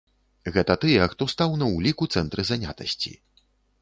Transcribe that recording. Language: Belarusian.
Гэта тыя, хто стаў на ўлік у цэнтры занятасці.